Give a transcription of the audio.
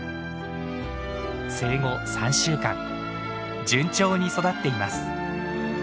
生後３週間順調に育っています。